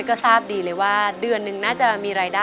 ขอบคุณครับ